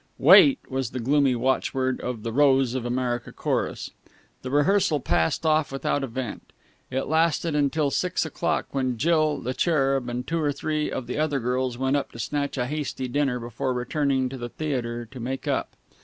"Wait!" was the gloomy watchword of "The Rose of America" chorus. The rehearsal passed off without event. It lasted until six o'clock, when Jill, the Cherub, and two or three of the other girls went to snatch a hasty dinner before returning to the theatre to make up.